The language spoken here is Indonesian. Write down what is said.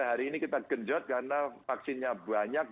dan hari ini kita genjot karena vaksinnya banyak